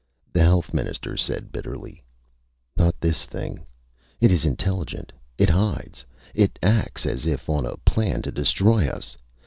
The Health Minister said bitterly: "Not this thing! It is intelligent! It hides! It acts as if on a plan to destroy us!